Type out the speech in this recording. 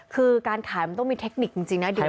คือการขายมันต้องมีเทคนิคจริงนะดูแบบนี้